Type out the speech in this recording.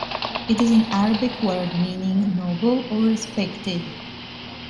It is an Arabic word meaning 'noble' or 'respected'.